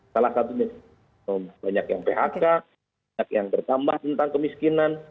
salah satunya banyak yang phk banyak yang bertambah tentang kemiskinan